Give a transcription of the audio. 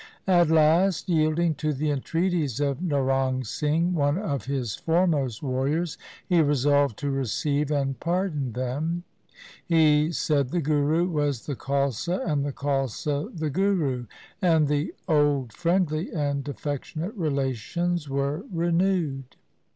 At last, yielding to the entreaties of Naurang Singh, one of his foremost warriors, he resolved to receive and pardon them. He said the Guru was the Khalsa and the Khalsa the Guru, and the old friendly and affectionate relations were renewed.